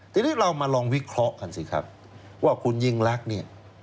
ทีนี้เรามาลองวิเคราะห์กันสิครับว่าคุณยิ่งลักษณ์เนี่ย